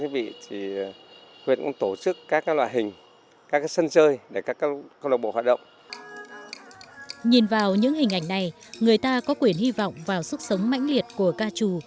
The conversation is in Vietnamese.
thứ nhất là huyện hòa đã thành lập các câu lạc bộ hát ca trù và hàng năm phối hợp với trung tâm văn hóa tỉnh